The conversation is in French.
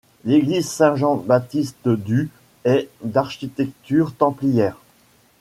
L'église Saint-Jean-Baptiste du est d'architecture templière.